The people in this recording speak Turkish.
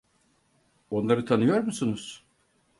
Onları tanıyor musunuz?